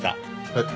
えっ？